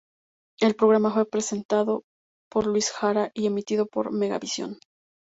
El programa fue presentado por Luis Jara y emitido por Megavisión.